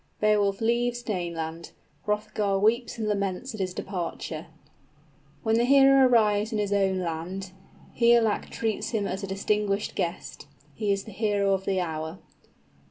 _ Beowulf leaves Dane land. Hrothgar weeps and laments at his departure. _When the hero arrives in his own land, Higelac treats him as a distinguished guest. He is the hero of the hour.